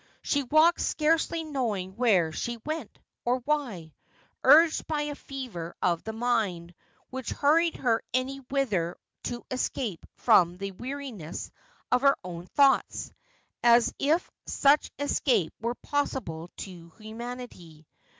She walked, scarcely knowing where she went, or why : urged by a fever of the mind, which hurried her any whither to escape from the weariness of her own thoughts ; as if such escape were possible to humanity.